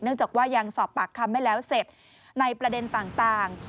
จากว่ายังสอบปากคำไม่แล้วเสร็จในประเด็นต่าง